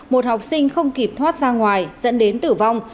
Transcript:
một học sinh không kịp thoát ra ngoài dẫn đến tử vong